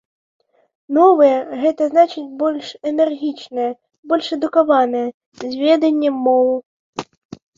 Новыя, гэта значыць больш энергічныя, больш адукаваныя, з веданнем моваў.